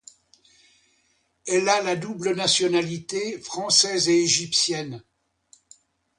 Elle a la double nationalité française et égyptienne.